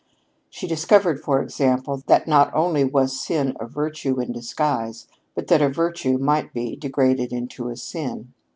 She discovered, for example, that not only was sin a virtue in disguise, but that a virtue might be degraded into a sin.